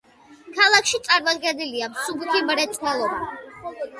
ქალაქში წარმოდგენილია მსუბუქი მრეწველობა.